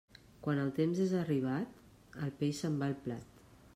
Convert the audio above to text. Quan el temps és arribat, el peix se'n va al plat.